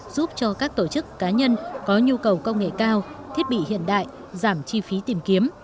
giúp cho các tổ chức cá nhân có nhu cầu công nghệ cao thiết bị hiện đại giảm chi phí tìm kiếm